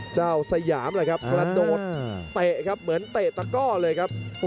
สยามแหละครับกระโดดเตะครับเหมือนเตะตะก้อเลยครับ